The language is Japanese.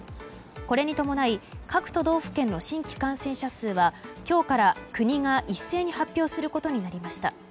これに伴い各都道府県の新規感染者数は今日から国が一斉に発表することになりました。